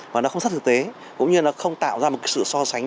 và nó không sát thực tế cũng như nó không tạo ra một sự so sánh